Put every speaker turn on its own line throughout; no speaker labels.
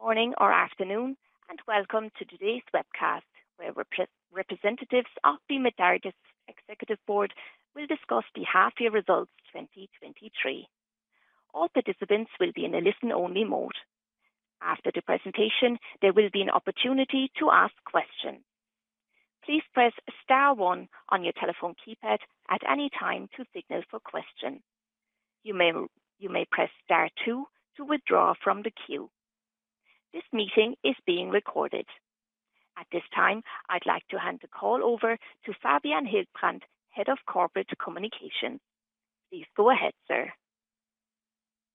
Good morning or afternoon, and welcome to today's webcast, where representatives of the Medartis Executive Board will discuss the half-year results 2023. All participants will be in a listen-only mode. After the presentation, there will be an opportunity to ask questions. Please press star one on your telephone keypad at any time to signal for question. You may press star two to withdraw from the queue. This meeting is being recorded. At this time, I'd like to hand the call over to Fabian Hildbrand, Head of Corporate Communications. Please go ahead, sir.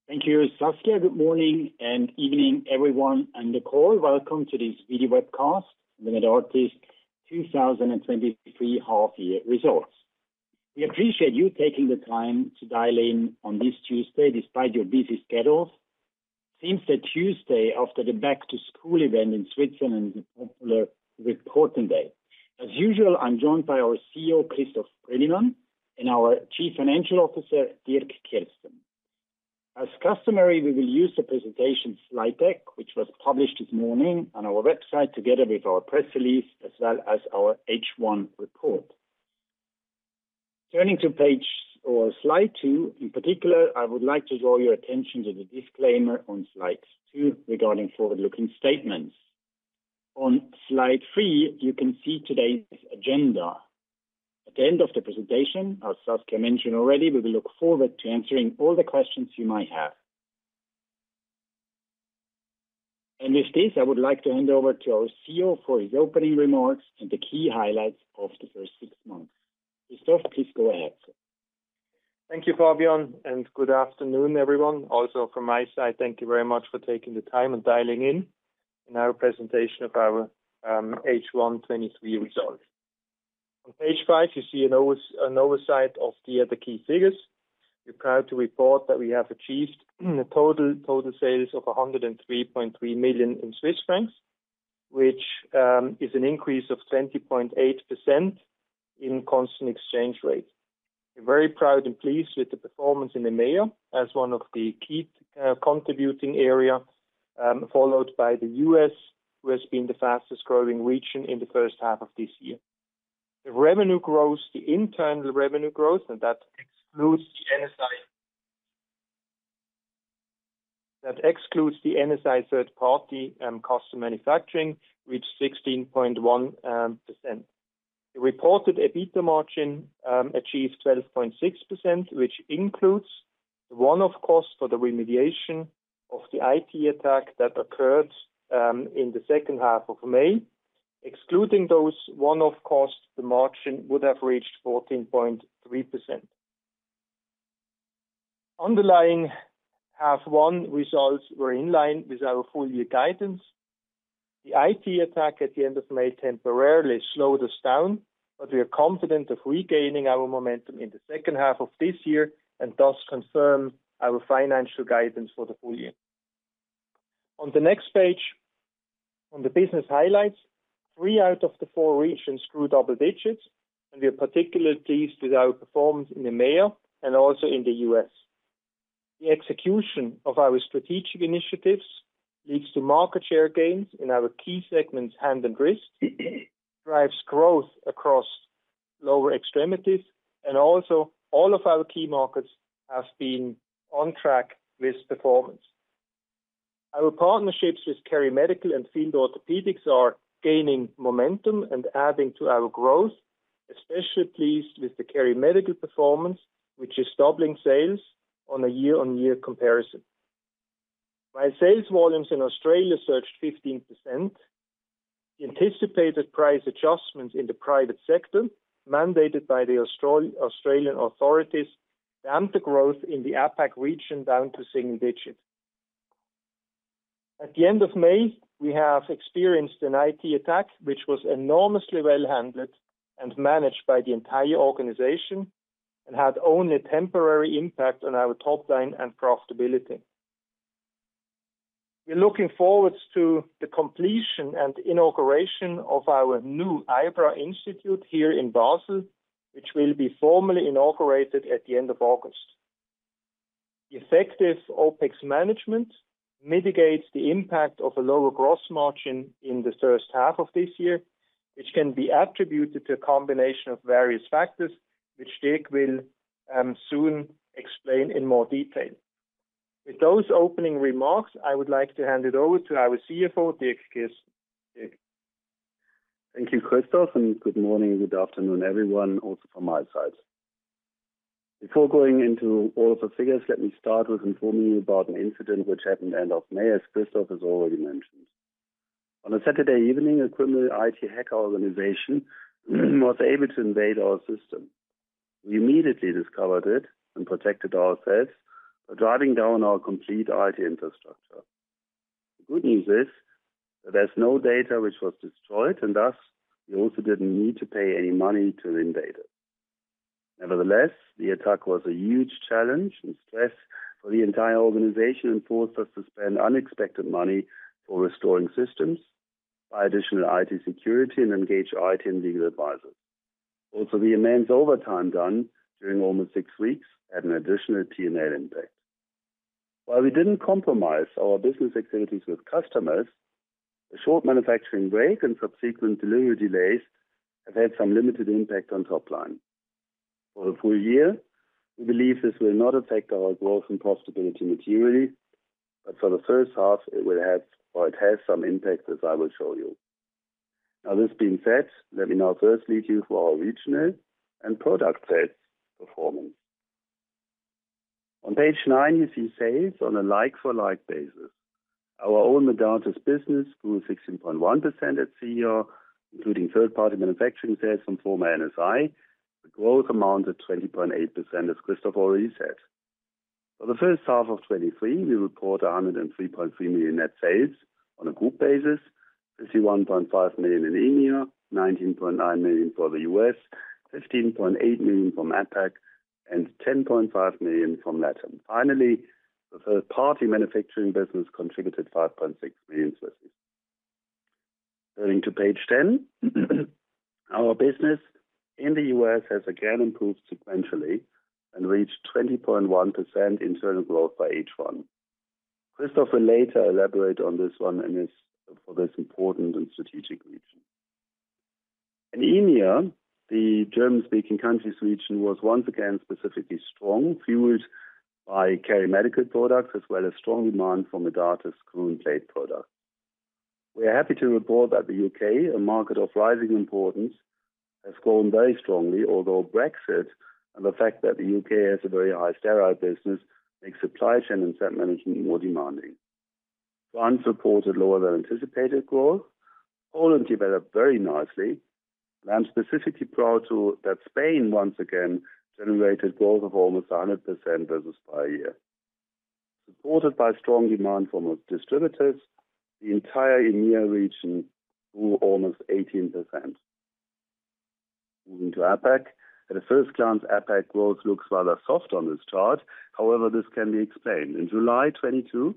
Thank you, Saskia. Good morning and evening, everyone, on the call. Welcome to this video webcast, the Medartis 2023 half-year results. We appreciate you taking the time to dial in on this Tuesday, despite your busy schedules. Seems that Tuesday, after the back-to-school event in Switzerland, is a popular reporting day. As usual, I'm joined by our CEO, Christoph Brönnimann, and our Chief Financial Officer, Dirk Kirsten. As customary, we will use the presentation Slide deck, which was published this morning on our website, together with our press release, as well as our H1 report. Turning to page or Slide 2, in particular, I would like to draw your attention to the disclaimer on Slide 2 regarding forward-looking statements. On Slide 3, you can see today's agenda. At the end of the presentation, as Saskia mentioned already, we will look forward to answering all the questions you might have. With this, I would like to hand over to our CEO for his opening remarks and the key highlights of the first 6 months. Christoph, please go ahead, sir.
Thank you, Fabian, and good afternoon, everyone. Also from my side, thank you very much for taking the time and dialing in, in our presentation of our H1 2023 results. On page 5, you see an oversight of the key figures. We're proud to report that we have achieved total sales of 103.3 million, which is an increase of 20.8% in constant exchange rate. We're very proud and pleased with the performance in EMEA, as one of the key contributing area, followed by the U.S., who has been the fastest-growing region in the first half of this year. The revenue growth, the internal revenue growth, and that excludes the NSI. That excludes the NSI third-party cost of manufacturing, reached 16.1%. The reported EBITDA margin achieved 12.6%, which includes one-off costs for the remediation of the IT attack that occurred in the second half of May. Excluding those one-off costs, the margin would have reached 14.3%. Underlying half one results were in line with our full-year guidance. The IT attack at the end of May temporarily slowed us down, we are confident of regaining our momentum in the second half of this year, and thus confirm our financial guidance for the full year. On the next page, on the business highlights, three out of the four regions grew double digits, we are particularly pleased with our performance in EMEA and also in the U.S. The execution of our strategic initiatives leads to market share gains in our key segments, hand and wrist, drives growth across lower extremities, and also all of our key markets have been on track with performance. Our partnerships with KeriMedical and Field Orthopaedics are gaining momentum and adding to our growth, especially pleased with the KeriMedical performance, which is doubling sales on a year-on-year comparison. While sales volumes in Australia surged 15%, the anticipated price adjustments in the private sector, mandated by the Australian authorities, damped the growth in the APAC region down to single digits. At the end of May, we have experienced an IT attack, which was enormously well handled and managed by the entire organization and had only temporary impact on our top line and profitability. We're looking forward to the completion and inauguration of our new IBRA Institute here in Basel, which will be formally inaugurated at the end of August. The effective OpEx management mitigates the impact of a lower gross margin in the first half of this year, which can be attributed to a combination of various factors, which Dirk will soon explain in more detail. With those opening remarks, I would like to hand it over to our CFO, Dirk Kirsten.
Thank you, Christoph. Good morning and good afternoon, everyone, also from my side. Before going into all of the figures, let me start with informing you about an incident which happened end of May, as Christoph has already mentioned. On a Saturday evening, a criminal IT hacker organization was able to invade our system. We immediately discovered it and protected ourselves by driving down our complete IT infrastructure. The good news is that there's no data which was destroyed, and thus, we also didn't need to pay any money to the invader. Nevertheless, the attack was a huge challenge and stress for the entire organization and forced us to spend unexpected money for restoring systems, buy additional IT security, and engage IT and legal advisors. The immense overtime done during almost six weeks had an additional P&L impact. While we didn't compromise our business activities with customers, the short manufacturing break and subsequent delivery delays have had some limited impact on top line. For the full year, we believe this will not affect our growth and possibility materially, but for the first half, it will have or it has some impact, as I will show you. Now, this being said, let me now first lead you through our regional and product sales performance. On page 9, you see sales on a like-for-like basis. Our own Medartis business grew 16.1% at CER, including third-party manufacturing sales from former NSI. The growth amounted 20.8%, as Christoph already said. For the first half of 2023, we report 103.3 million net sales on a group basis, 51.5 million in EMEA, 19.9 million for the U.S., 15.8 million from APAC, and 10.5 million from LATAM. Finally, the third-party manufacturing business contributed 5.6 million sales. Turning to page 10, our business in the U.S. has again improved sequentially and reached 20.1% internal growth by H1. Christoph will later elaborate on this one and is for this important and strategic region. In EMEA, the German-speaking countries region was once again specifically strong, fueled by KeriMedical products, as well as strong demand from the Medartis screw and plate products. We are happy to report that the U.K., a market of rising importance, has grown very strongly, although Brexit and the fact that the U.K. has a very high sterile business, makes supply chain and set management more demanding. France supported lower than anticipated growth. Poland developed very nicely, and I'm specifically proud that Spain once again generated growth of almost 100% versus prior year. Supported by strong demand from our distributors, the entire EMEA region grew almost 18%. Moving to APAC. At a first glance, APAC growth looks rather soft on this chart. However, this can be explained. In July 2022,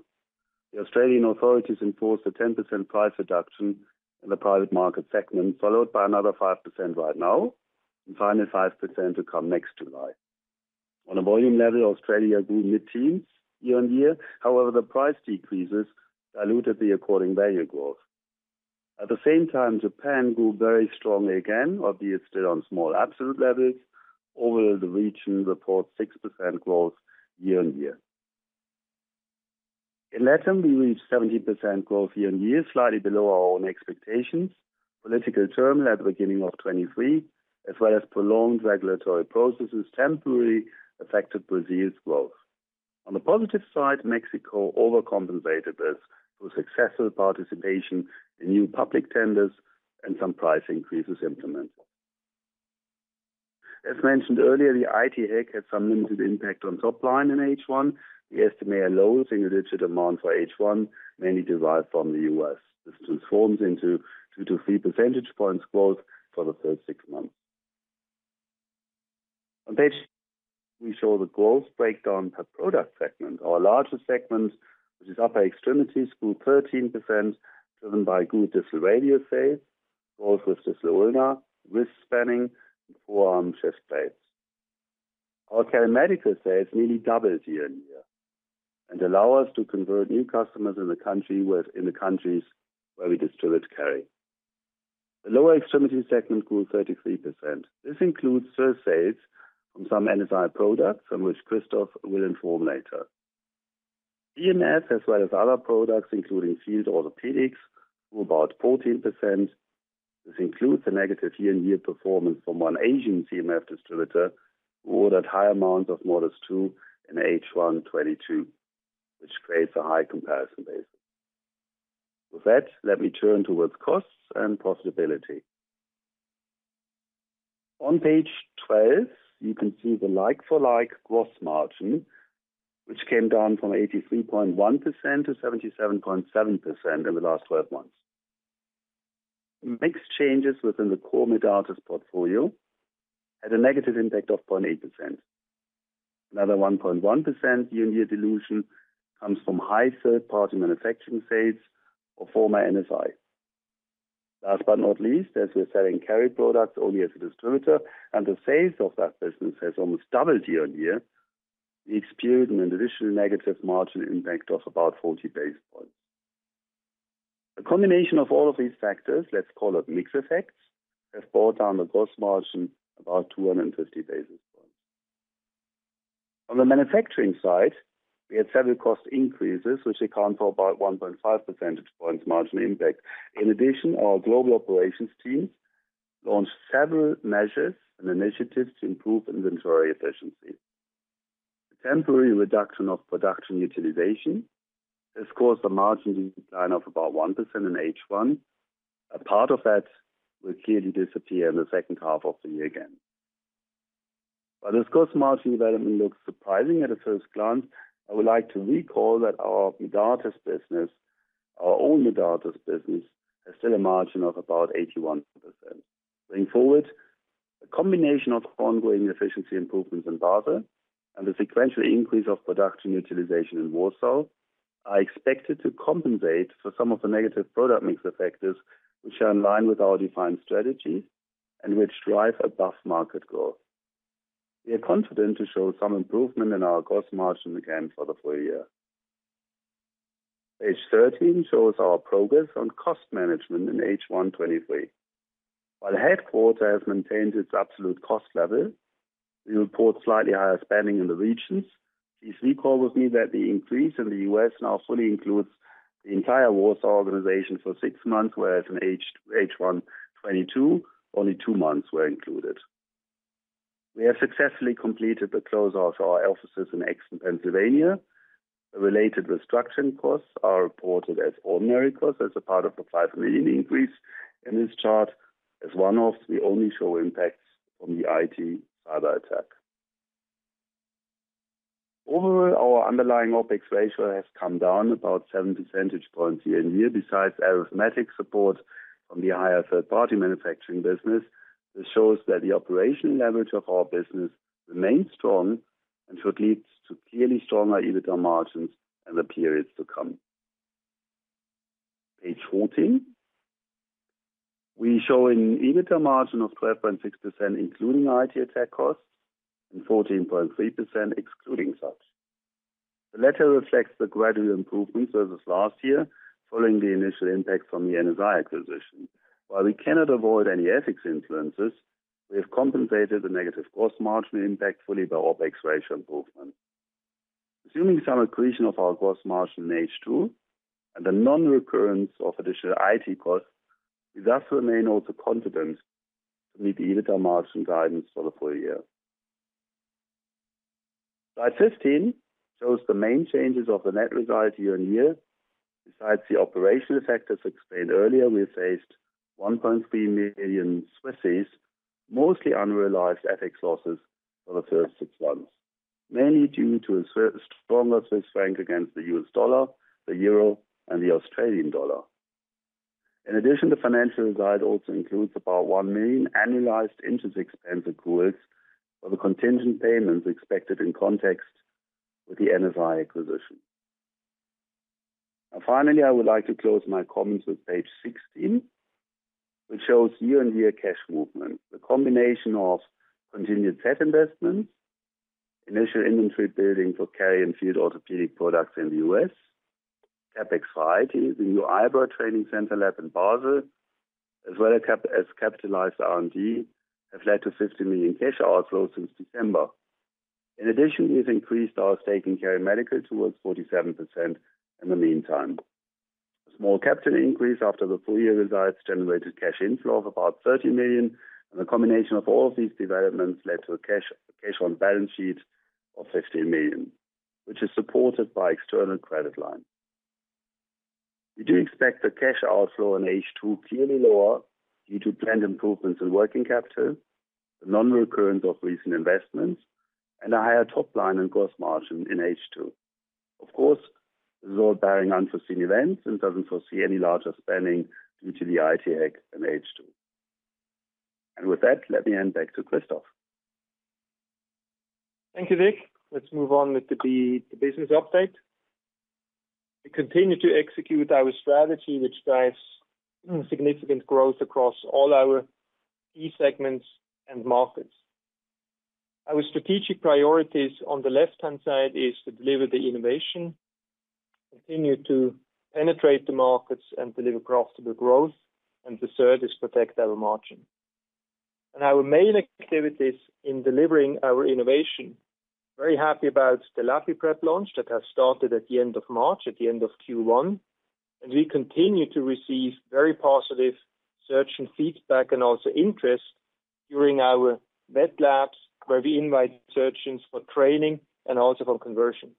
the Australian authorities enforced a 10% price reduction in the private market segment, followed by another 5% right now, and finally, 5% to come next July. On a volume level, Australia grew mid-teens year-on-year. However, the price decreases diluted the according value growth. At the same time, Japan grew very strongly, again, obviously on small absolute levels. Overall, the region reports 6% growth year-on-year. In LATAM, we reached 17% growth year-on-year, slightly below our own expectations. Political turmoil at the beginning of 2023, as well as prolonged regulatory processes, temporarily affected Brazil's growth. On the positive side, Mexico overcompensated this through successful participation in new public tenders and some price increases implemented. As mentioned earlier, the IT hack had some limited impact on top line in H1. We estimate a loss in related demand for H1, mainly derived from the U.S. This transforms into 2-3 percentage points growth for the first 6 months. We show the growth breakdown per product segment. Our largest segment, which is upper extremities, grew 13%, driven by good distal radius sales, growth with distal ulna, wrist spanning, and forearm shaft plates. Our KeriMedical sales nearly doubled year-on-year and allow us to convert new customers in the countries where we distribute KeriMedical. The lower extremities segment grew 33%. This includes sales from some NSI products, on which Christoph will inform later. CMF, as well as other products, including Field Orthopaedics, grew about 14%. This includes a negative year-on-year performance from one Asian CMF distributor, who ordered high amounts of MODUS 2 in H1 2022, which creates a high comparison basis. With that, let me turn towards costs and profitability. On page 12, you can see the like-for-like gross margin, which came down from 83.1% to 77.7% in the last 12 months. Mix changes within the core Medartis portfolio had a negative impact of 0.8%. Another 1.1% year-on-year dilution comes from high third-party manufacturing sales of former NSI. Last but not least, as we're selling Keri products only as a distributor and the sales of that business has almost doubled year-on-year, we experienced an additional negative margin impact of about 40 basis points. A combination of all of these factors, let's call it mix effects, have brought down the gross margin about 250 basis points. On the manufacturing side, we had several cost increases, which account for about 1.5 percentage points margin impact. In addition, our global operations team launched several measures and initiatives to improve inventory efficiency. The temporary reduction of production utilization has caused a margin decline of about 1% in H1. A part of that will clearly disappear in the second half of the year again. While this gross margin development looks surprising at a first glance, I would like to recall that our Medartis business, our own Medartis business, has still a margin of about 81%. Going forward, a combination of ongoing efficiency improvements in Basel and the sequential increase of production utilization in Warsaw are expected to compensate for some of the negative product mix effectives, which are in line with our defined strategy and which drive above-market growth. We are confident to show some improvement in our gross margin again for the full year. Page 13 shows our progress on cost management in H1 2023. While the headquarter has maintained its absolute cost level, we report slightly higher spending in the regions. Please recall with me that the increase in the U.S. now fully includes the entire Warsaw for 6 months, whereas in H1 2022, only 2 months were included. We have successfully completed the close of our offices in Exton, Pennsylvania. The related restructuring costs are reported as ordinary costs as a part of the 5 million increase in this chart. As one-offs, we only show impacts from the IT cyberattack. Overall, our underlying OpEx ratio has come down about 7 percentage points year-on-year, besides arithmetic support from the higher third-party manufacturing business. This shows that the operational leverage of our business remains strong and should lead to clearly stronger EBITDA margins in the periods to come. Page 14, we show an EBITDA margin of 12.6%, including IT attack costs, and 14.3%, excluding such. The latter reflects the gradual improvement versus last year, following the initial impact from the NSI acquisition. While we cannot avoid any FX influences, we have compensated the negative gross margin impact fully by OpEx ratio improvement. Assuming some accretion of our gross margin in H2 and the non-recurrence of additional IT costs, we thus remain also confident to meet the EBITDA margin guidance for the full year. Slide 15 shows the main changes of the net result year-on-year. Besides the operational effect, as explained earlier, we faced 1.3 million Swiss francs, mostly unrealized FX losses for the first six months, mainly due to a stronger Swiss franc against the U.S. dollar, the euro, and the Australian dollar. In addition, the financial guide also includes about 1 million Swiss francs annualized interest expense accruals for the contingent payments expected in context with the NSI acquisition. Finally, I would like to close my comments with page 16, which shows year-on-year cash movement. The combination of continued CapEx investments, initial inventory building for KeriMedical and Field Orthopaedics products in the U.S., CapEx for IT, the new IBRA Institute training center lab in Basel, as well as capitalized R&D, have led to 50 million cash outflow since December. In addition, we have increased our staking KeriMedical towards 47% in the meantime. A small capital increase after the full year results generated cash inflow of about 30 million, and the combination of all of these developments led to a cash, cash on balance sheet of 16 million, which is supported by external credit line. We do expect the cash outflow in H2 clearly lower due to planned improvements in working capital, the non-recurrence of recent investments, and a higher top line and gross margin in H2. Of course, this is all barring unforeseen events and doesn't foresee any larger spending due to the IT hack in H2. With that, let me hand back to Christoph.
Thank you, Dirk. Let's move on with the business update. We continue to execute our strategy, which drives significant growth across all our key segments and markets. Our strategic priorities on the left-hand side is to deliver the innovation, continue to penetrate the markets, and deliver profitable growth, and the third is protect our margin. Our main activities in delivering our innovation, very happy about the LapiPrep launch that has started at the end of March, at the end of Q1, and we continue to receive very positive surgeon feedback and also interest during our wet labs, where we invite surgeons for training and also for conversion.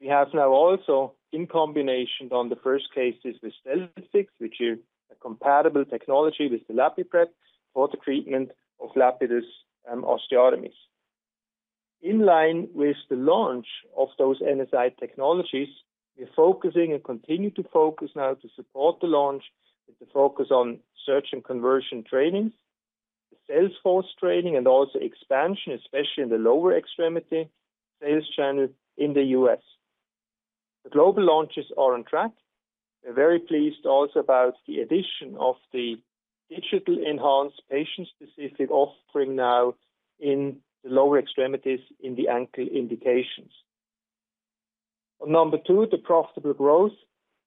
We have now also, in combination on the first cases with the Lapidus, which is a compatible technology with the LapiPrep, for the treatment of Lapidus and osteotomies. In line with the launch of those NSI technologies, we are focusing and continue to focus now to support the launch, with the focus on surgeon conversion trainings, the sales force training, and also expansion, especially in the lower extremities sales channel in the U.S. The global launches are on track. We're very pleased also about the addition of the digitally enhanced patient-specific offering now in the lower extremities in the ankle indications. On number two, the profitable growth.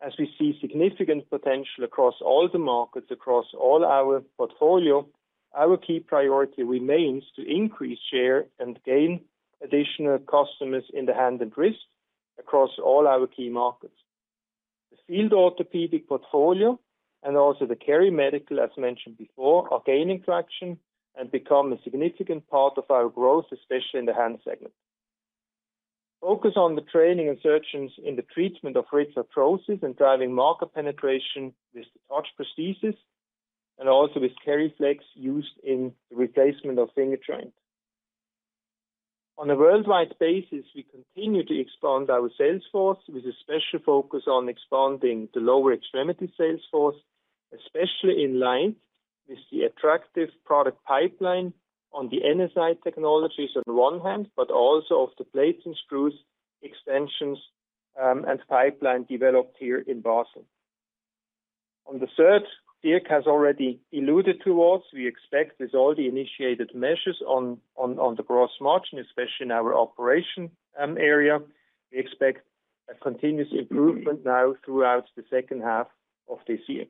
As we see significant potential across all the markets, across all our portfolio, our key priority remains to increase share and gain additional customers in the hand and wrist across all our key markets. The Field Orthopaedics portfolio and also the KeriMedical, as mentioned before, are gaining traction and become a significant part of our growth, especially in the hand segment. Focus on the training of surgeons in the treatment of wrist arthrosis and driving market penetration with the TOUCH prosthesis and also with KeriFlex, used in the replacement of finger joints. On a worldwide basis, we continue to expand our sales force, with a special focus on expanding the lower extremity sales force, especially with the attractive product pipeline on the NSI technologies on one hand, but also of the plates and screws, extensions, and pipeline developed here in Boston. On the third, Dirk has already alluded to what we expect with all the initiated measures on the gross margin, especially in our operation area. We expect a continuous improvement now throughout the second half of this year.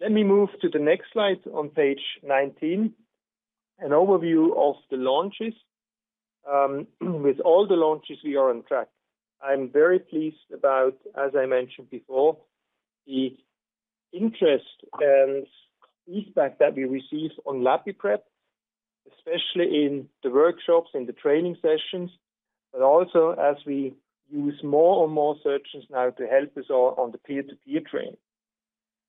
Let me move to the next slide on page 19. An overview of the launches. With all the launches, we are on track. I'm very pleased about, as I mentioned before, the interest and feedback that we receive on LapiPrep, especially in the workshops, in the training sessions, but also as we use more and more surgeons now to help us on the peer-to-peer training.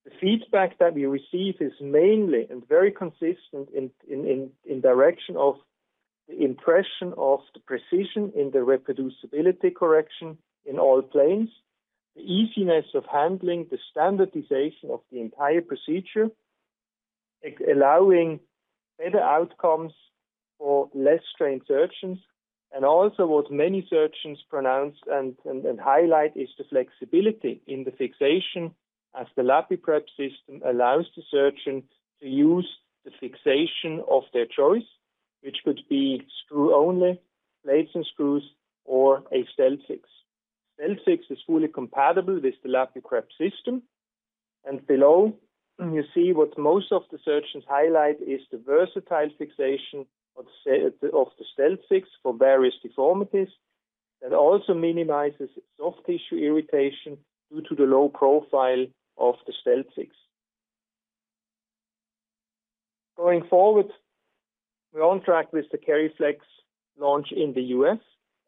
The feedback that we receive is mainly, and very consistent in direction of the impression of the precision in the reproducibility correction in all planes, the easiness of handling, the standardization of the entire procedure, allowing better outcomes for less trained surgeons, and also what many surgeons pronounce and highlight is the flexibility in the fixation, as the LapiPrep system allows the surgeon to use the fixation of their choice, which could be screw only, plates and screws, or a StealthFix. StealthFix is fully compatible with the LapiPrep system. Below, you see what most of the surgeons highlight is the versatile fixation of the StealthFix for various deformities, that also minimizes soft tissue irritation due to the low profile of the StealthFix. Going forward, we're on track with the KeriFlex launch in the U.S.,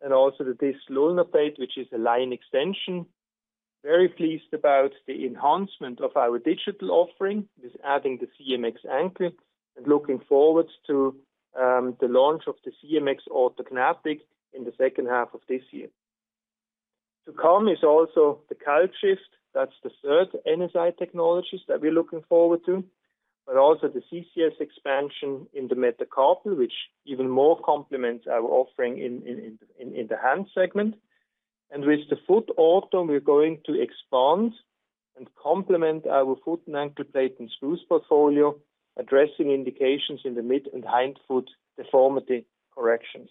and also the Distal Ulna Plate, which is a line extension. Very pleased about the enhancement of our digital offering, with adding the CMX Ankle. Looking forward to the launch of the CMX Orthognathic in the second half of this year. To come is also the CalcShift. That's the third NSI technologies that we're looking forward to. Also the CCS expansion in the metacarpal, which even more complements our offering in, in, in, in, in the hand segment. With the Foot Aptus, we're going to expand and complement our foot and ankle plate and screws portfolio, addressing indications in the mid and hindfoot deformity corrections.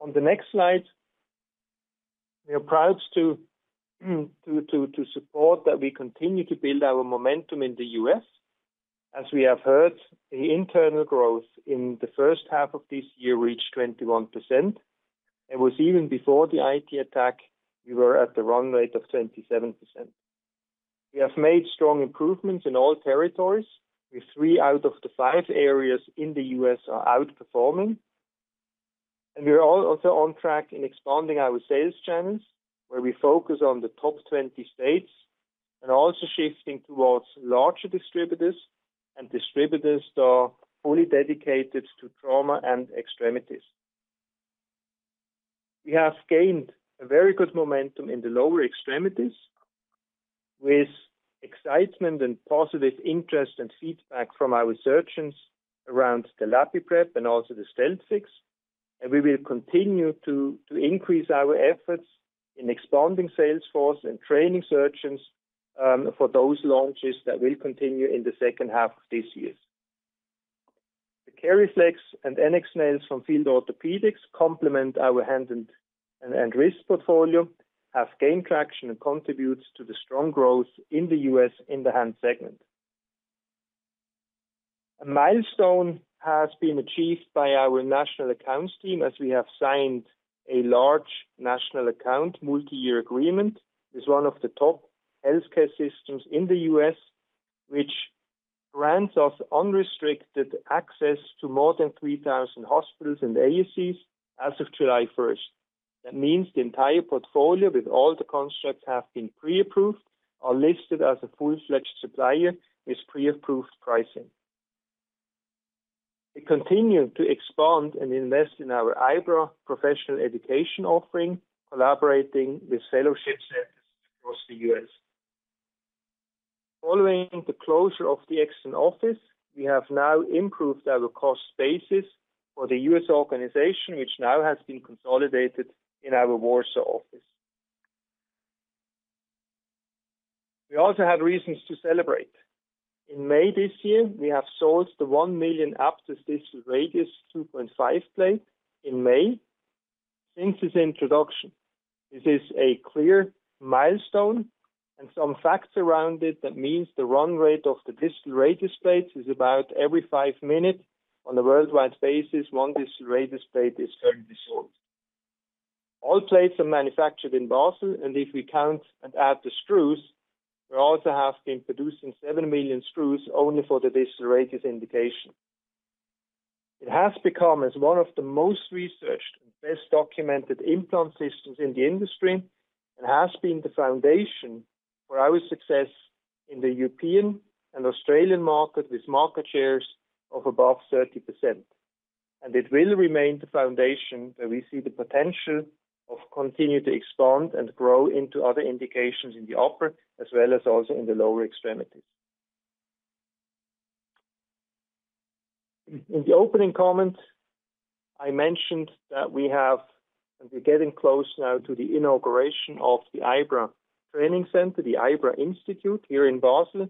On the next slide, we are proud to support that we continue to build our momentum in the U.S. As we have heard, the internal growth in the first half of this year reached 21%. It was even before the IT attack, we were at the run rate of 27%. We have made strong improvements in all territories, with three out of the five areas in the U.S. are outperforming. We are all also on track in expanding our sales channels, where we focus on the top 20 states and also shifting towards larger distributors and distributors that are fully dedicated to trauma and extremities. We have gained a very good momentum in the lower extremities, with excitement and positive interest and feedback from our surgeons around the LapiPrep and also the StealthFix, and we will continue to increase our efforts in expanding sales force and training surgeons for those launches that will continue in the second half of this year. The KeriFlex and NX Nail from Field Orthopaedics complement our hand and wrist portfolio, have gained traction and contributes to the strong growth in the U.S. in the hand segment. A milestone has been achieved by our national accounts team, as we have signed a large national account multi-year agreement, with one of the top healthcare systems in the U.S., which grants us unrestricted access to more than 3,000 hospitals and ASCs as of July first. That means the entire portfolio, with all the constructs, have been pre-approved or listed as a full-fledged supplier with pre-approved pricing. We continue to expand and invest in our IBRA professional education offering, collaborating with fellowship centers across the U.S. Following the closure of the Exton office, we have now improved our cost basis for the U.S. organization, which now has been consolidated in our Warsaw office. We also have reasons to celebrate. In May this year, we have sold the 1 million APTUS Distal Radius 2.5 plate in May since its introduction. This is a clear milestone and some facts around it. That means the run rate of the distal radius plates is about every five minutes on a worldwide basis, one distal radius plate is currently sold. All plates are manufactured in Boston, and if we count and add the screws, we also have been producing 7 million screws only for the distal radius indication. It has become as one of the most researched and best documented implant systems in the industry, and has been the foundation for our success in the European and Australian market, with market shares of above 30%. It will remain the foundation that we see the potential of continue to expand and grow into other indications in the upper, as well as also in the lower extremities. In the opening comments, I mentioned that we have, and we're getting close now to the inauguration of the IBRA Training Center, the IBRA Institute here in Basel,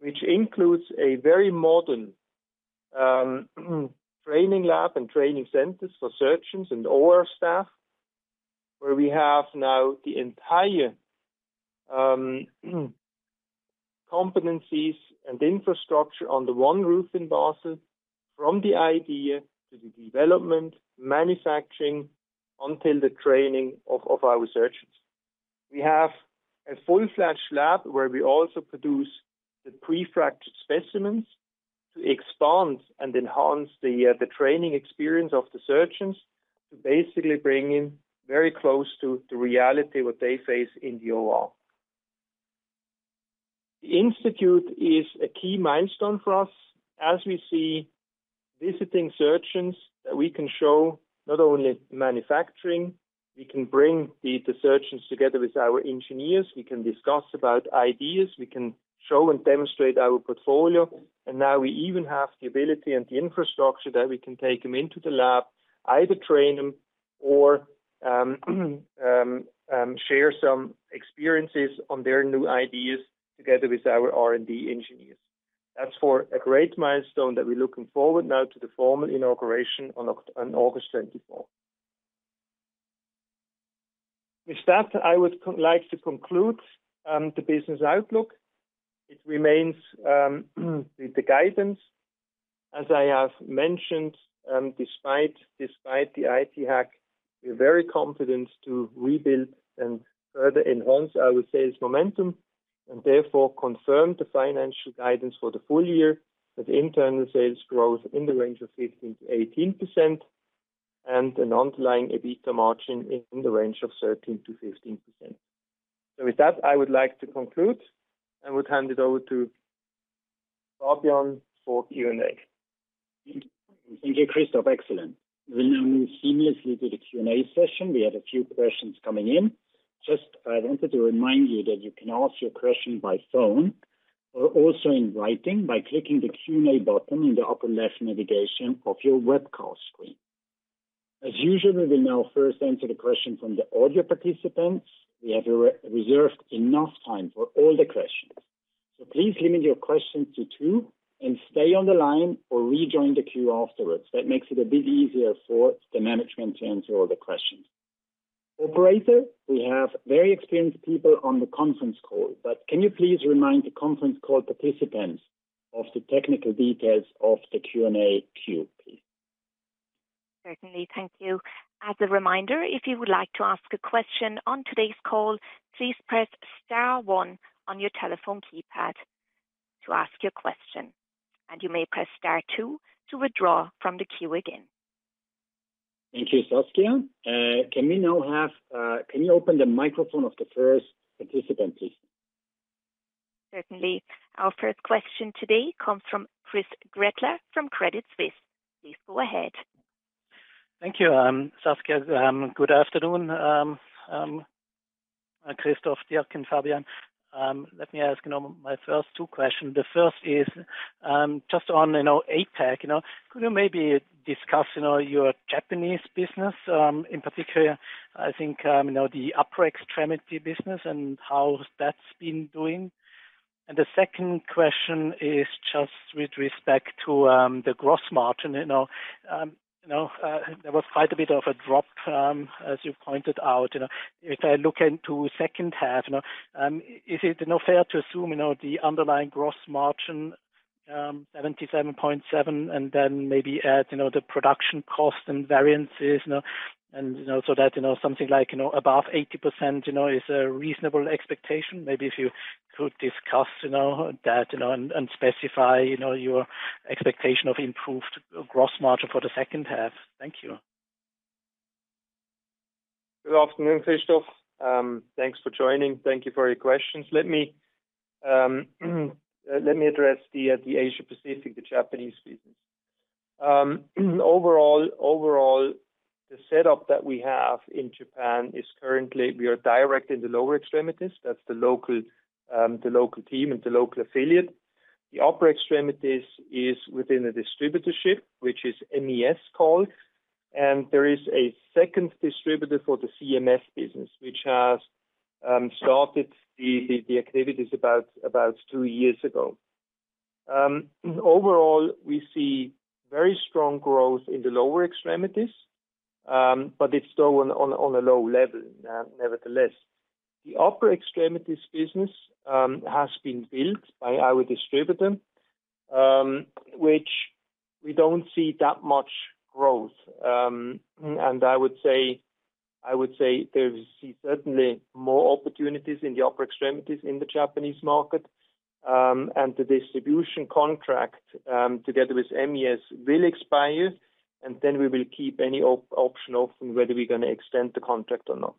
which includes a very modern training lab and training centers for surgeons and OR staff, where we have now the entire competencies and infrastructure under one roof in Basel, from the idea to the development, manufacturing, until the training of, of our researchers. We have a full-fledged lab, where we also produce the pre-fractured specimens to expand and enhance the training experience of the surgeons, to basically bring in very close to the reality what they face in the OR. The institute is a key milestone for us as we see visiting surgeons, that we can show not only manufacturing, we can bring the, the surgeons together with our engineers, we can discuss about ideas, we can show and demonstrate our portfolio, and now we even have the ability and the infrastructure that we can take them into the lab, either train them or share some experiences on their new ideas together with our R&D engineers. That's for a great milestone that we're looking forward now to the formal inauguration on August 24th. With that, I would like to conclude the business outlook. It remains with the guidance. As I have mentioned, despite, despite the IT hack, we're very confident to rebuild and further enhance our sales momentum, and therefore, confirm the financial guidance for the full year, with internal sales growth in the range of 15%-18%, and an underlying EBITDA margin in the range of 13%-15%. With that, I would like to conclude, and would hand it over to Fabian for Q&A.
Thank you, Christoph. Excellent. We'll now move seamlessly to the Q&A session. We had a few questions coming in. Just I wanted to remind you that you can ask your question by phone, or also in writing by clicking the Q&A button in the upper left navigation of your webcast screen. As usual, we will now first answer the question from the audio participants. We have re-reserved enough time for all the questions, so please limit your questions to two, and stay on the line or rejoin the queue afterwards. That makes it a bit easier for the management to answer all the questions. Operator, we have very experienced people on the conference call, but can you please remind the conference call participants of the technical details of the Q&A queue, please?
Certainly. Thank you. As a reminder, if you would like to ask a question on today's call, please press star one on your telephone keypad to ask your question, and you may press star two to withdraw from the queue again.
Thank you, Saskia. Can we now have, can you open the microphone of the first participant, please?
Certainly. Our first question today comes from Christoph Gretler from Credit Suisse. Please go ahead.
Thank you, Saskia. Good afternoon, Christoph, Dirk, and Fabian. Let me ask, you know, my first two questions. The first is, you know, just on, you know, APAC, you know. Could you maybe discuss, you know, your Japanese business, in particular, I think, you know, the upper extremities business and how that's been doing? The second question is just with respect to the gross margin, you know, you know, there was quite a bit of a drop, as you pointed out, you know. If I look into second half, you know, is it, you know, fair to assume, you know, the underlying gross margin, 77.7%, and then maybe add, you know, the production cost and variances, you know, and, you know, so that, you know, something like, you know, above 80%, you know, is a reasonable expectation? Maybe if you could discuss, you know, that, you know, and, and specify, you know, your expectation of improved gross margin for the second half. Thank you.
Good afternoon, Christoph. Thanks for joining. Thank you for your questions. Let me, let me address the Asia Pacific, the Japanese business. Overall, overall, the setup that we have in Japan is currently, we are direct in the lower extremities. That's the local, the local team and the local affiliate. The upper extremities is within a distributorship, which is MES called, and there is a second distributor for the CMS business, which has started the activities about two years ago. Overall, we see very strong growth in the lower extremities, but it's still on a low level, nevertheless. The upper extremities business has been built by our distributor, which we don't see that much growth. I would say, I would say there is certainly more opportunities in the upper extremities in the Japanese market, and the distribution contract, together with MES, will expire, and then we will keep any option open, whether we're going to extend the contract or not.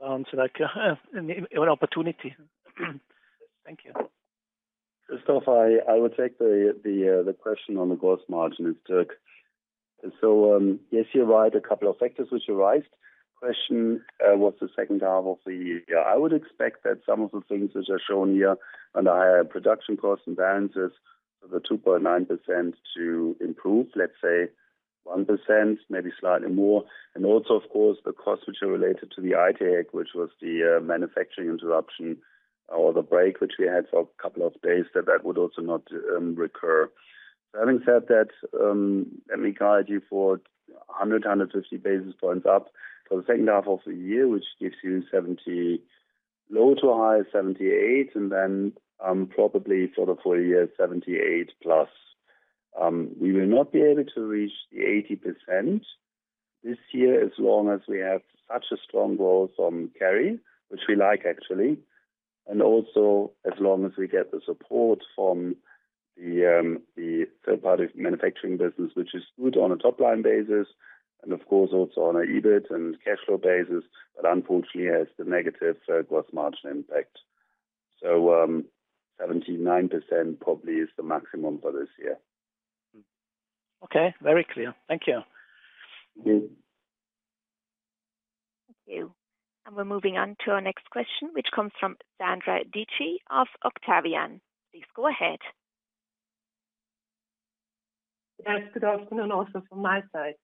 Sounds like, an opportunity. Thank you.
Christoph, I, I will take the question on the gross margin with Dirk. Yes, you're right, a couple of factors which you raised. Question, what's the second half of the year? I would expect that some of the things which are shown here on the higher production cost and balances, the 2.9% to improve, let's say 1%, maybe slightly more. Of course, the costs which are related to the IT hack, which was the manufacturing interruption or the break, which we had for a couple of days, that that would also not recur. Having said that, let me guide you for 150 basis points up for the second half of the year, which gives you low to high 78, and then, probably sort of for a year, 78+. We will not be able to reach the 80% this year, as long as we have such a strong growth on carry, which we like, actually, also as long as we get the support from the third-party manufacturing business, which is good on a top-line basis, and of course, also on a EBIT and cash flow basis, unfortunately, has the negative third gross margin impact. 79% probably is the maximum for this year.
Okay, very clear. Thank you.
Thank you.
Thank you. We're moving on to our next question, which comes from Sandra Dietschi of Octavian. Please, go ahead.
Yes, good afternoon, also from my side.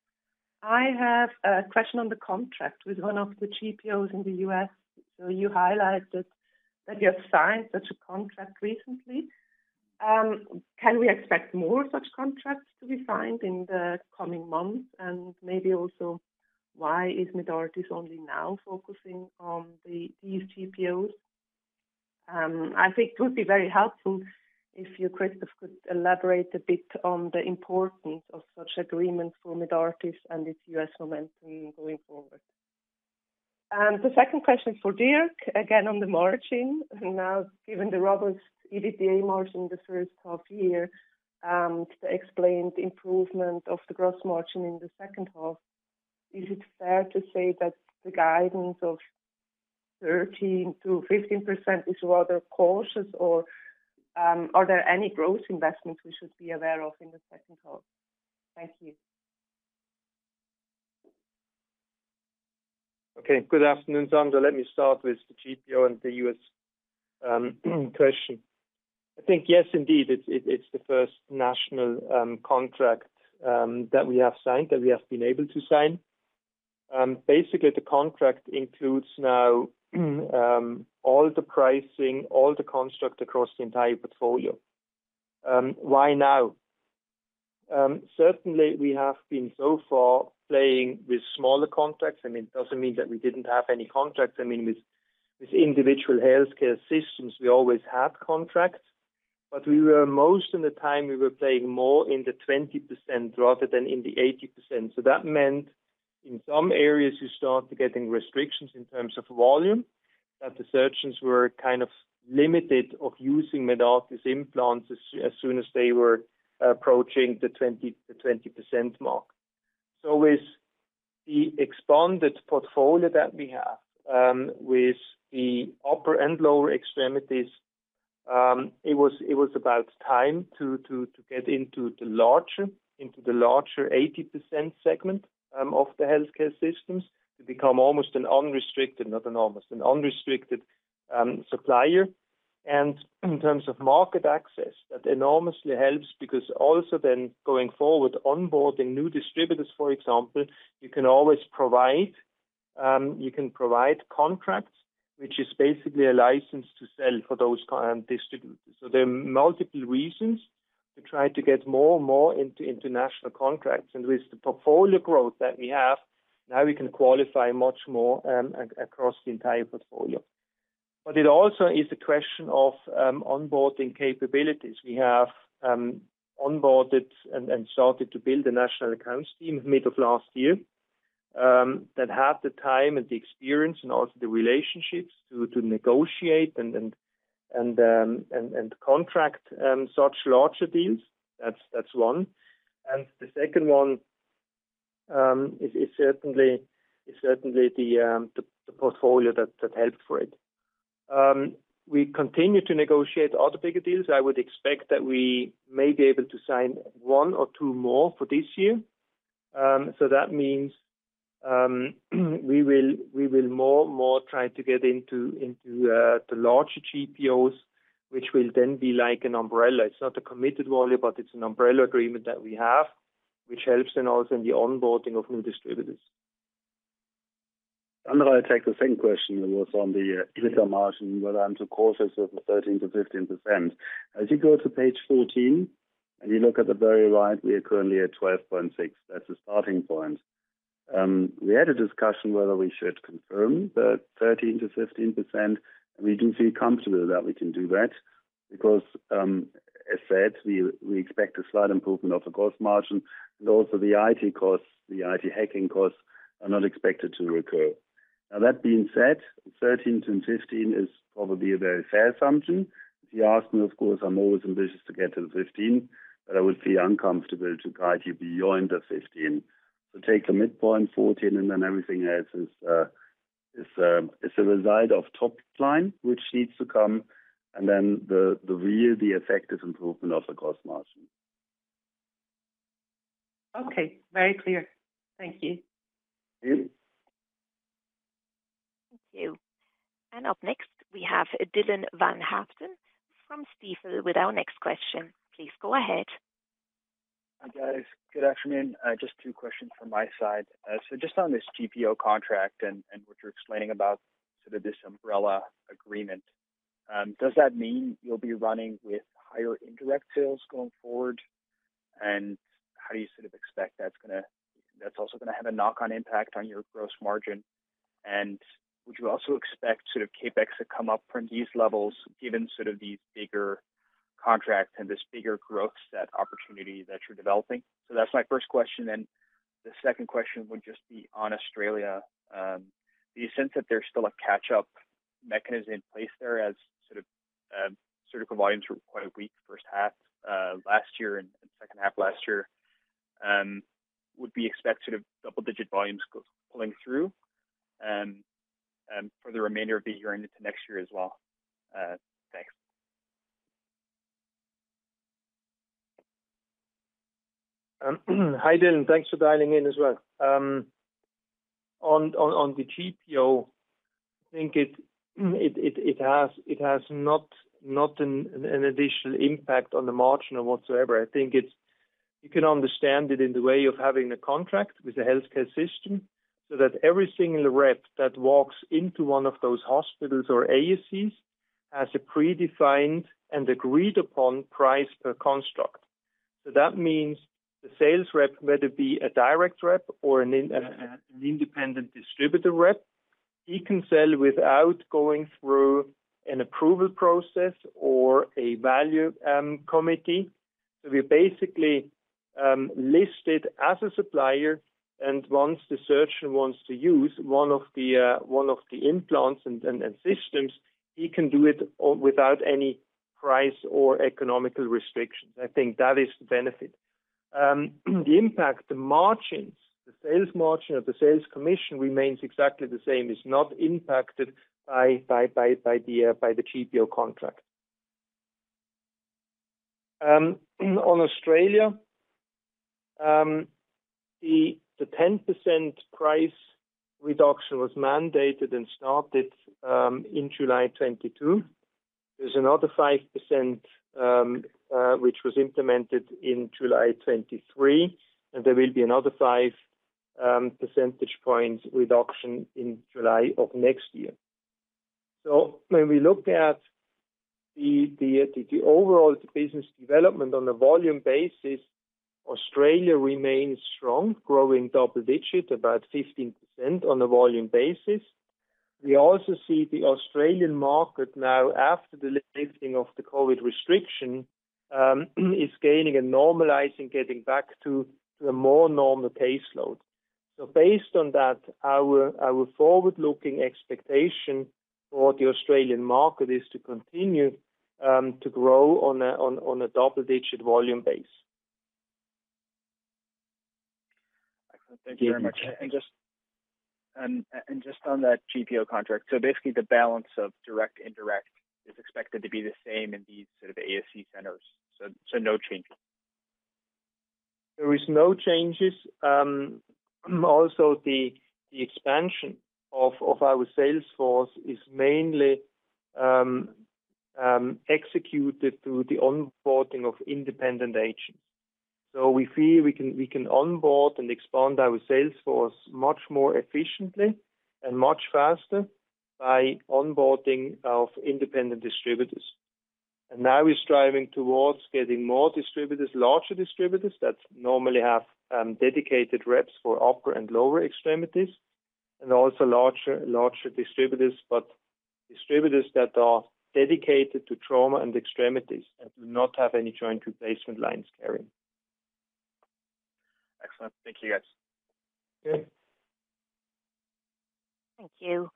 I have a question on the contract with one of the GPOs in the U.S. You highlighted that you have signed such a contract recently. Can we expect more such contracts to be signed in the coming months? Maybe also, why is Medartis only now focusing on these GPOs? I think it would be very helpful if you, Christoph, could elaborate a bit on the importance of such agreement for Medartis and its U.S. momentum going forward. The second question for Dirk, again, on the margin. Given the robust EBITDA margin in the first half year, to explain the improvement of the gross margin in the second half, is it fair to say that the guidance of 13%-15% is rather cautious, or, are there any growth investments we should be aware of in the second half? Thank you.
Okay, good afternoon, Sandra. Let me start with the GPO and the U.S. question. I think, yes, indeed, it's the first national contract that we have signed, that we have been able to sign. Basically, the contract includes now all the pricing, all the construct across the entire portfolio. Why now? Certainly, we have been so far playing with smaller contracts. I mean, it doesn't mean that we didn't have any contracts. I mean, with individual healthcare systems, we always had contracts, but we were, most of the time, we were playing more in the 20% rather than in the 80%. That meant in some areas, you start getting restrictions in terms of volume, that the surgeons were kind of limited of using Medartis implants as, as soon as they were approaching the 20, the 20% mark. With the expanded portfolio that we have, with the Upper and lower extremities, it was, it was about time to, to, to get into the larger, into the larger 80% segment of the healthcare systems, to become almost an unrestricted, not an almost, an unrestricted supplier. In terms of market access, that enormously helps, because also then going forward, onboarding new distributors, for example, you can always provide, you can provide contracts, which is basically a license to sell for those current distributors. There are multiple reasons to try to get more and more into international contracts, and with the portfolio growth that we have, now we can qualify much more, across the entire portfolio. It also is a question of onboarding capabilities. We have onboarded and started to build a national accounts team mid of last year, that had the time and the experience and also the relationships to negotiate and contract such larger deals. That's, that's one. The second one, is certainly the portfolio that helped for it. We continue to negotiate other bigger deals. I would expect that we may be able to sign one or two more for this year. That means, we will, we will more and more try to get into, into, the larger GPOs, which will then be like an umbrella. It's not a committed volume, but it's an umbrella agreement that we have, which helps in also in the onboarding of new distributors.
I take the same question that was on the EBITDA margin, whether I'm too cautious of the 13%-15%. As you go to page 14, and you look at the very right, we are currently at 12.6. That's the starting point. We had a discussion whether we should confirm the 13%-15%. We do feel comfortable that we can do that because, as said, we, we expect a slight improvement of the gross margin, and also the IT costs, the IT hacking costs, are not expected to recur. Now, that being said, 13%-15% is probably a very fair assumption. If you ask me, of course, I'm always ambitious to get to the 15, but I would feel uncomfortable to guide you beyond the 15.... Take a midpoint 14, and then everything else is, is, is a result of top line, which needs to come, and then the, the real, the effective improvement of the gross margin.
Okay, very clear. Thank you.
Yeah.
Thank you. Up next, we have Dylan van Haaften from Stifel with our next question. Please go ahead.
Hi, guys. Good afternoon. Just two questions from my side. Just on this GPO contract, and what you're explaining about sort of this umbrella agreement, does that mean you'll be running with higher indirect sales going forward? How do you sort of expect that's also gonna have a knock-on impact on your gross margin? Would you also expect sort of CapEx to come up from these levels, given sort of these bigger contracts and this bigger growth, that opportunity that you're developing? That's my first question, and the second question would just be on Australia. Do you sense that there's still a catch-up mechanism in place there as sort of, surgical volumes were quite weak first half, last year and second half last year? Would we expect sort of double-digit volumes pulling through for the remainder of the year into next year as well? Thanks.
Hi, Dylan. Thanks for dialing in as well. On the GPO, I think it has not an additional impact on the margin or whatsoever. I think it's you can understand it in the way of having a contract with the healthcare system, so that every single rep that walks into one of those hospitals or ASCs has a predefined and agreed upon price per construct. So that means the sales rep, whether it be a direct rep or an independent distributor rep, he can sell without going through an approval process or a value committee. So we're basically listed as a supplier, and once the surgeon wants to use one of the implants and systems, he can do it on without any price or economical restrictions. I think that is the benefit. The impact, the margins, the sales margin of the sales commission remains exactly the same. It's not impacted by the GPO contract. On Australia, the 10% price reduction was mandated and started in July 2022. There's another 5%, which was implemented in July 2023, and there will be another 5 percentage points reduction in July of next year. When we look at the overall business development on a volume basis, Australia remains strong, growing double digits, about 15% on a volume basis. We also see the Australian market now, after the lifting of the COVID restriction, is gaining and normalizing, getting back to a more normal caseload. Based on that, our, our forward-looking expectation for the Australian market is to continue to grow on a, on, on a double-digit volume base.
Excellent. Thank you very much.
Yeah.
Just on that GPO contract, basically the balance of direct, indirect is expected to be the same in these sort of ASC centers, so, no changes?
There is no changes. Also the, the expansion of, of our sales force is mainly executed through the onboarding of independent agents. We feel we can, we can onboard and expand our sales force much more efficiently and much faster by onboarding of independent distributors. Now we're striving towards getting more distributors, larger distributors, that normally have dedicated reps for upper and lower extremities, and also larger, larger distributors, but distributors that are dedicated to trauma and extremities and do not have any joint replacement lines carrying.
Excellent. Thank you, guys.
Okay.
Thank you.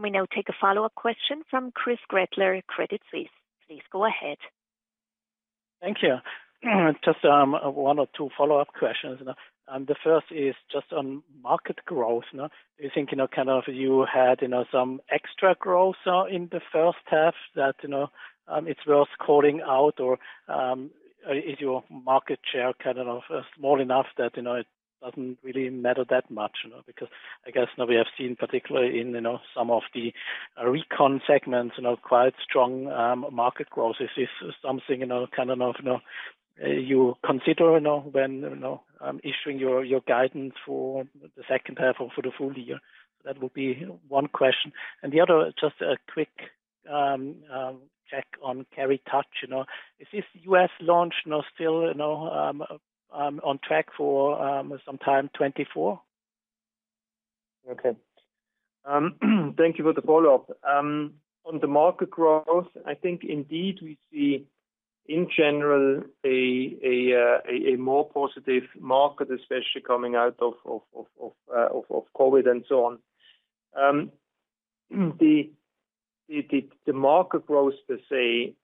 We now take a follow-up question from Christoph Gretler, Credit Suisse. Please go ahead.
Thank you. Just, 1 or 2 follow-up questions. The first is just on market growth. Now, do you think, you know, kind of you had, you know, some extra growth, in the first half that, you know, it's worth calling out, or, is your market share kind of small enough that, you know, it doesn't really matter that much, you know? Because I guess now we have seen, particularly in, you know, some of the recon segments, you know, quite strong, market growth. Is this something, you know, kind of, you know, you consider, you know, when, you know, issuing your, your guidance for the second half or for the full year? That would be one question. The other, just a quick, check on TOUCH, you know. Is this U.S. launch now still, you know, on track for sometime 2024?
Okay. Thank you for the follow-up. On the market growth, I think indeed, we see, in general, a more positive market, especially coming out of COVID and so on. The market growth per se,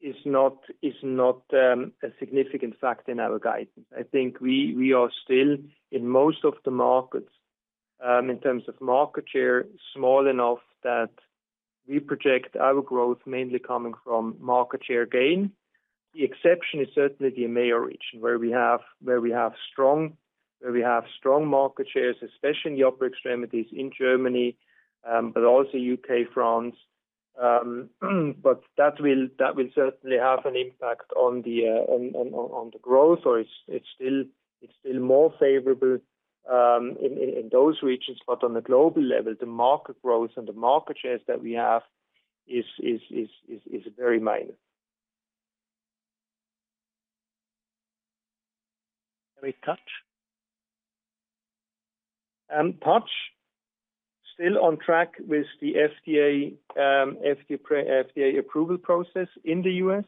is not a significant factor in our guidance. I think we are still in most of the markets, in terms of market share, small enough that we project our growth mainly coming from market share gain. The exception is certainly the EMEA region, where we have strong market shares, especially in the upper extremities in Germany, but also U.K., France. That will, that will certainly have an impact on the, on, on, on the growth, or it's, it's still, it's still more favorable, in those regions. On the global level, the market growth and the market shares that we have is very minor.
TOUCH?
TOUCH, still on track with the FDA, FDA approval process in the U.S.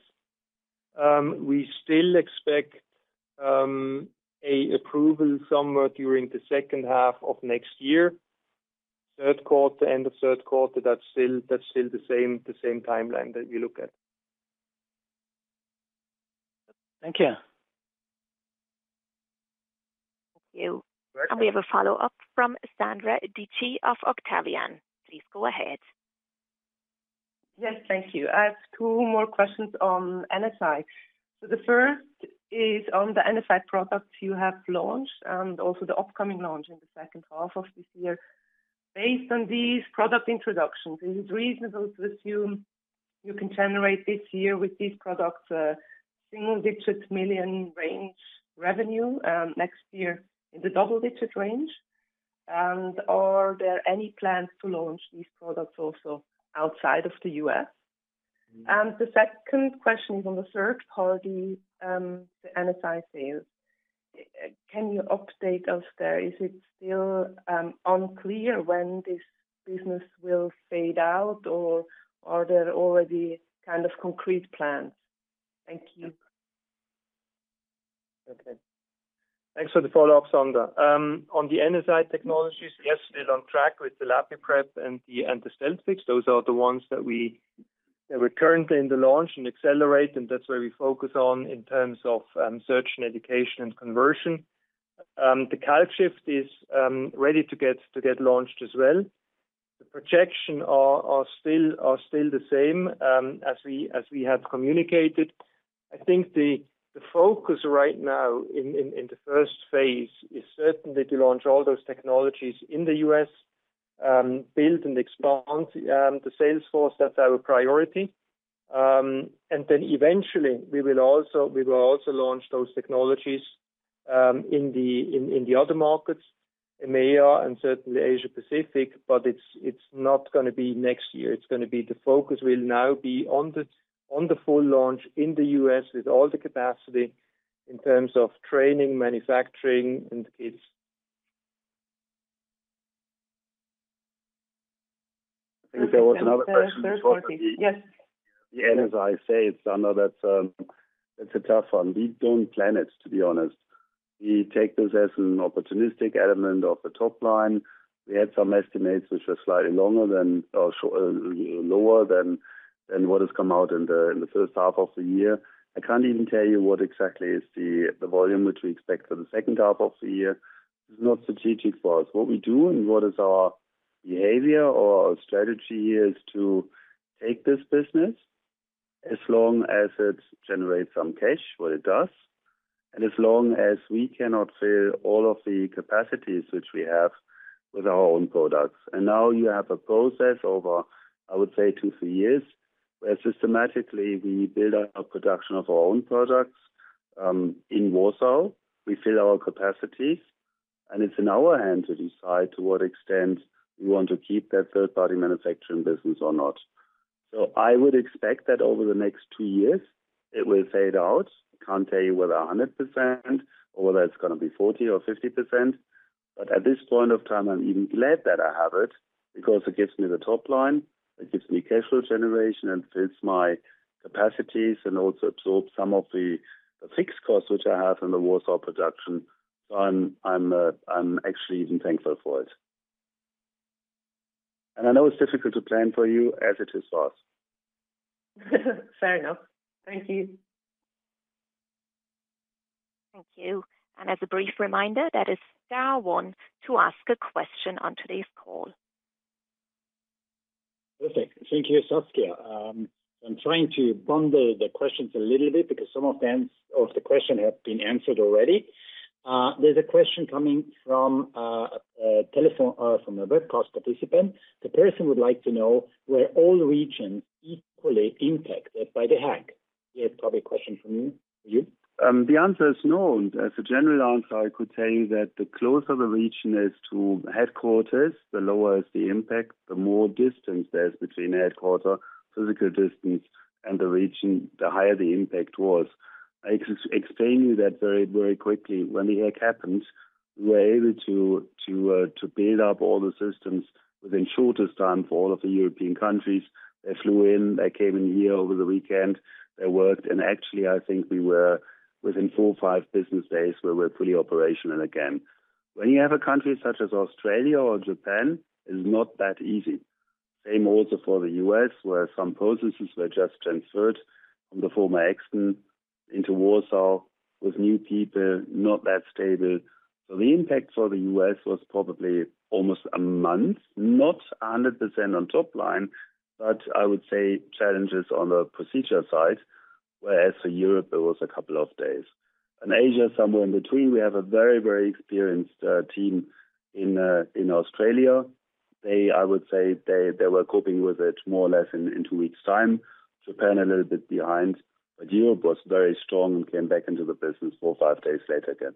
We still expect a approval somewhere during the second half of next year, third quarter, end of third quarter. That's still, that's still the same, the same timeline that we look at.
Thank you.
Thank you. We have a follow-up from Sandra Dietschi of Octavian. Please go ahead.
Yes, thank you. I have two more questions on NSI. The first is on the NSI products you have launched, and also the upcoming launch in the second half of this year. Based on these product introductions, is it reasonable to assume you can generate this year with these products a CHF single-digit million range revenue, next year in the CHF double-digit range? Are there any plans to launch these products also outside of the U.S.? The second question is on the third party, the NSI sales. Can you update us there? Is it still unclear when this business will fade out, or are there already kind of concrete plans? Thank you.
Okay. Thanks for the follow-up, Sandra. On the NSI technologies, yes, we're still on track with the LapiPrep and the StealthFix. Those are the ones that we're currently in the launch and accelerate, and that's where we focus on in terms of search and education and conversion. The CalcShift is ready to get launched as well. The projection are still the same as we have communicated. I think the focus right now in the first phase is certainly to launch all those technologies in the U.S., build and expand the sales force. That's our priority. Eventually, we will also launch those technologies in the other markets, EMEA and certainly Asia Pacific, but it's not gonna be next year. The focus will now be on the full launch in the U.S. with all the capacity in terms of training, manufacturing.
I think there was another question.
Third party. Yes.
Yeah, NSI say, Sandra, that's a tough one. We don't plan it, to be honest. We take this as an opportunistic element of the top line. We had some estimates which were slightly longer than, or lower than, what has come out in the first half of the year. I can't even tell you what exactly is the volume which we expect for the second half of the year. It's not strategic for us. What we do and what is our behavior or our strategy is to take this business as long as it generates some cash, what it does, and as long as we cannot fill all of the capacities which we have with our own products. Now you have a process over, I would say, 2, 3 years, where systematically we build up a production of our own products in Warsaw. We fill our capacities, it's in our hands to decide to what extent we want to keep that third-party manufacturing business or not. I would expect that over the next 2 years, it will fade out. I can't tell you whether 100% or whether it's gonna be 40% or 50%, at this point of time, I'm even glad that I have it because it gives me the top line, it gives me cash flow generation, and it fits my capacities and also absorbs some of the fixed costs, which I have in the Warsaw production. I'm, I'm actually even thankful for it. I know it's difficult to plan for you as it is for us.
Fair enough. Thank you.
Thank you. As a brief reminder, that is star one to ask a question on today's call.
Perfect. Thank you, Saskia. I'm trying to bundle the questions a little bit because some of them, of the question have been answered already. There's a question coming from a telephone from a webcast participant. The person would like to know were all regions equally impacted by the hack? It's probably a question for you, you.
The answer is no. And as a general answer, I could tell you that the closer the region is to headquarters, the lower is the impact. The more distance there is between headquarters, physical distance, and the region, the higher the impact was. Explaining that very, very quickly, when the hack happened, we were able to build up all the systems within shortest time for all of the European countries. They flew in, they came in here over the weekend, they worked, and actually, I think we were within four or five business days, we were fully operational again. When you have a country such as Australia or Japan, it's not that easy. Same also for the U.S., where some processes were just transferred from the former Nextremity into Warsaw, with new people, not that stable. The impact for the U.S. was probably almost a month, not 100% on top line, but I would say challenges on the procedure side. Whereas for Europe, it was a couple of days. In Asia, somewhere in between, we have a very, very experienced team in Australia. They, I would say, they, they were coping with it more or less in 2 weeks' time. Japan, a little bit behind, but Europe was very strong and came back into the business 4, 5 days later again.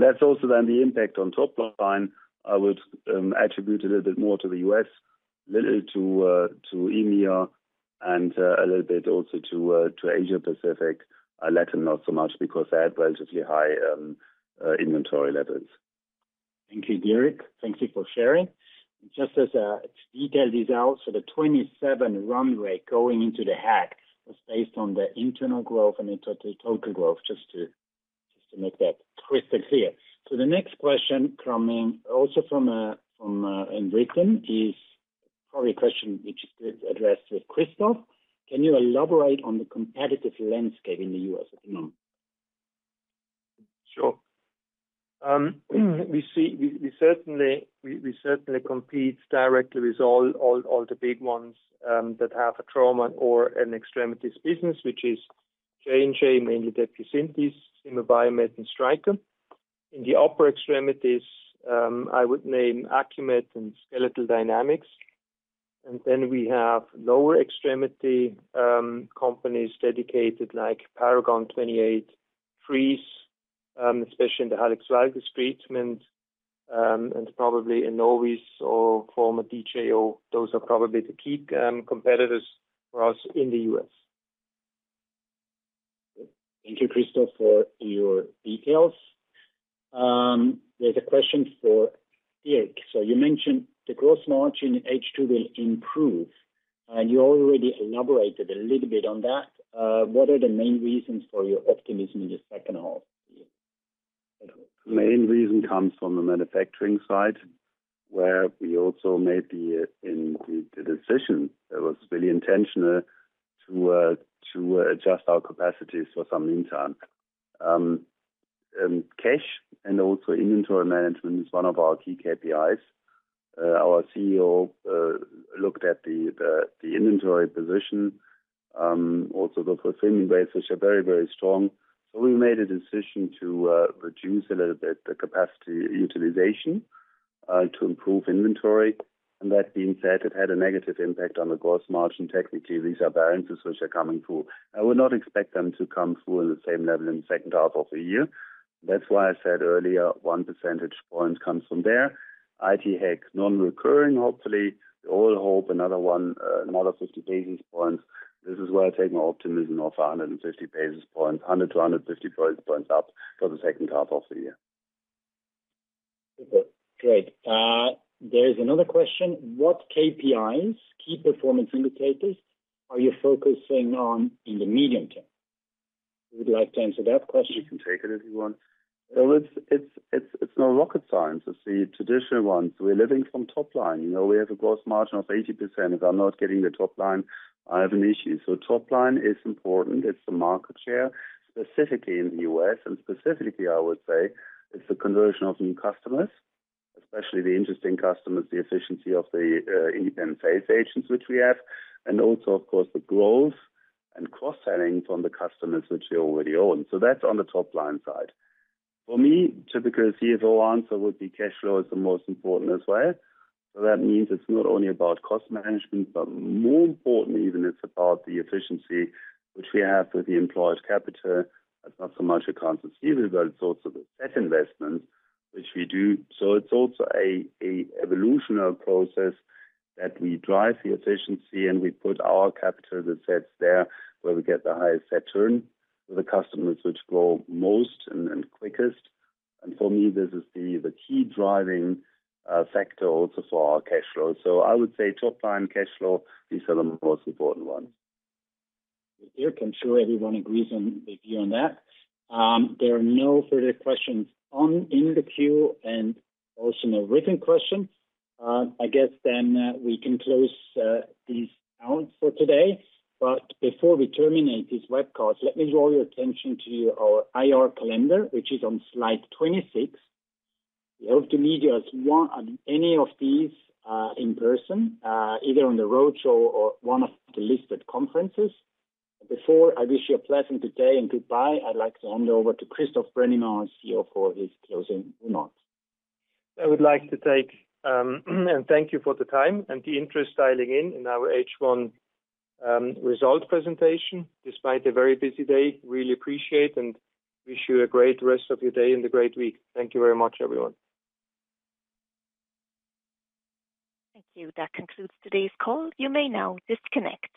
That's also then the impact on top line, I would attribute a little bit more to the U.S., little to EMEA, and a little bit also to Asia Pacific. Latin, not so much because they had relatively high inventory levels.
Thank you, Dirk. Thank you for sharing. Just as to detail this out, the 27 runway going into the hack was based on the internal growth and the total, total growth, just to, just to make that crystal clear. The next question coming also from in written, is probably a question which is addressed with Christoph. Can you elaborate on the competitive landscape in the U.S. at the moment?
Sure. We certainly compete directly with all the big ones that have a trauma or an extremities business, which is J&J, mainly DePuy Synthes, Zimmer Biomet, and Stryker. In the upper extremities, I would name Acumed and Skeletal Dynamics. Then we have Lower Extremity companies dedicated, like Paragon 28, Treace, especially in the hallux rigidus treatment, and probably Enovis or former DJO. Those are probably the key competitors for us in the U.S..
Thank you, Christoph, for your details. There's a question for Dirk. You mentioned the gross margin in H2 will improve, and you already elaborated a little bit on that. What are the main reasons for your optimism in the second half of the year?
Main reason comes from the manufacturing side, where we also made the, in the, the decision that was really intentional to adjust our capacities for some meantime. Cash and also inventory management is one of our key KPIs. Our CEO looked at the, the, the inventory position, also the fulfillment rates, which are very, very strong. We made a decision to reduce a little bit the capacity utilization to improve inventory. That being said, it had a negative impact on the gross margin. Technically, these are balances which are coming through. I would not expect them to come through at the same level in the second half of the year. That's why I said earlier, one percentage point comes from there. IT hack, non-recurring, hopefully. We all hope another one, another 50 basis points. This is where I take my optimism of 150 basis points, 100-150 basis points up for the second half of the year.
Okay, great. There is another question: What KPIs, key performance indicators, are you focusing on in the medium term? Would you like to answer that question?
You can take it if you want.
Well, it's, it's, it's, it's not rocket science. It's the traditional ones. We're living from top line. You know, we have a gross margin of 80%. If I'm not getting the top line, I have an issue. Top line is important. It's the market share, specifically in the U.S., and specifically, I would say, it's the conversion of new customers, especially the interesting customers, the efficiency of the independent sales agents, which we have, and also, of course, the growth and cross-selling from the customers which we already own. That's on the top line side. For me, typical CFO answer would be cash flow is the most important as well. That means it's not only about cost management, but more important even, it's about the efficiency which we have with the employed capital. It's not so much accounts receivable, but it's also the asset investment, which we do. It's also a, a evolutionary process that we drive the efficiency, and we put our capital that sits there, where we get the highest return with the customers which grow most and, and quickest. For me, this is the, the key driving factor also for our cash flow. I would say top line cash flow, these are the most important ones.
Dirk, I'm sure everyone agrees on with you on that. There are no further questions on in the queue and also no written questions. I guess then, we can close this out for today. Before we terminate this webcast, let me draw your attention to our IR calendar, which is on Slide 26. We hope to meet you on any of these, in person, either on the roadshow or one of the listed conferences. Before I wish you a pleasant good day and goodbye, I'd like to hand over to Christoph Brönnimann, CEO, for his closing remarks.
I would like to take, and thank you for the time and the interest dialing in on our H1 results presentation. Despite a very busy day, really appreciate and wish you a great rest of your day and a great week. Thank you very much, everyone.
Thank you. That concludes today's call. You may now disconnect.